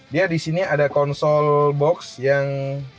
dia disini ada konsol box yang